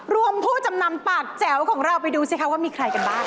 ผู้จำนำปากแจ๋วของเราไปดูสิคะว่ามีใครกันบ้าง